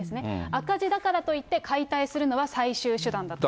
赤字だからといって解体するのは最終手段だと。